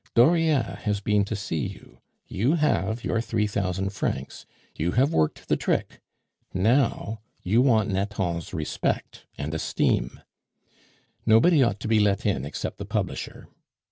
Dauriat has been to see you; you have your three thousand francs; you have worked the trick! Now you want Nathan's respect and esteem. Nobody ought to be let in except the publisher.